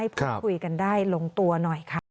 ให้พูดคุยกันได้ลงตัวหน่อยครับ